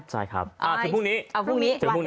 ใช่ครับถึงพรุ่งนี้